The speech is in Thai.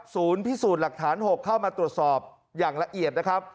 พิสูจน์หลักฐาน๖เข้ามาตรวจสอบอย่างละเอียดนะครับ